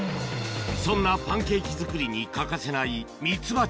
そんなパンケーキ作りに欠かせないミツバチ